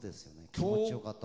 気持ち良かった。